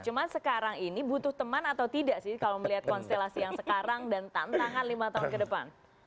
cuma sekarang ini butuh teman atau tidak sih kalau melihat konstelasi yang sekarang dan tantangan lima tahun ke depan